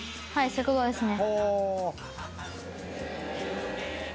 食堂ですね」